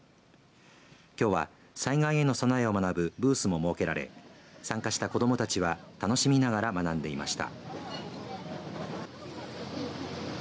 きょうは災害への備えを学ぶブースも設けられ参加した子どもたちは楽しみながら学んでいました。